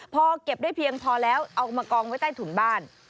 พอเก็บได้เพียงพอแล้วเอามากองไว้ใต้ถุนบ้าน